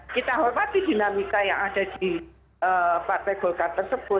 kita hal hal di dinamika yang ada di partai golkar tersebut